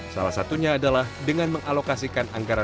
salah satunya adalah dengan mengalokasikan anggaran